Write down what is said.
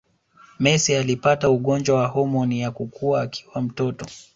Messi alipata ugonjwa wa homoni ya kukua akiwa mtoto